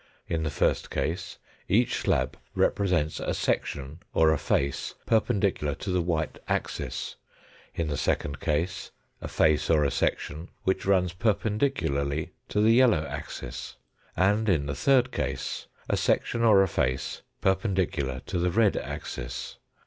In the first case each slab represents a section or a face perpendicular to the white axis, in the second case a face or a section which runs perpendicularly to the yellow axis, and in the third case a section or a face perpendicular to the red axis.